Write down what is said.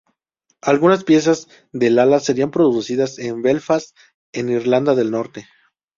Algunas piezas del ala serían producidas en Belfast en Irlanda del Norte.